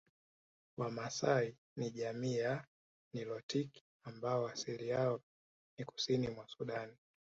Wamaasai ni jamii ya nilotiki ambao asili yao ni kusini mwa Sudan